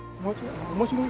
面白い。